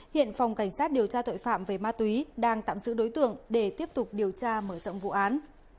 hiện phòng cảnh sát điều tra tội phạm về ma túy đang tạm giữ đối tượng để tiếp tục điều tra mở rộng vụ án